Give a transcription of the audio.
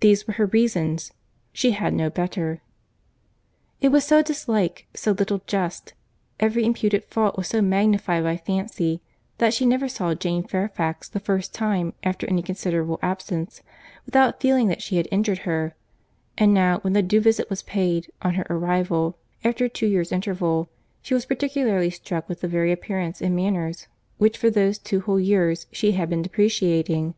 These were her reasons—she had no better. It was a dislike so little just—every imputed fault was so magnified by fancy, that she never saw Jane Fairfax the first time after any considerable absence, without feeling that she had injured her; and now, when the due visit was paid, on her arrival, after a two years' interval, she was particularly struck with the very appearance and manners, which for those two whole years she had been depreciating.